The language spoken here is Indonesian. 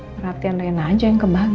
perhatian rena aja yang kebagi